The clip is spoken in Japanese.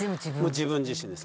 自分自身です。